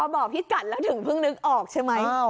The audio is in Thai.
บอกพี่กัดแล้วถึงเพิ่งนึกออกใช่ไหม